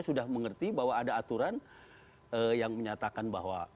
sudah mengerti bahwa ada aturan yang menyatakan bahwa